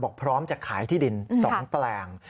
พร้อมจะขายที่ดิน๒แปลง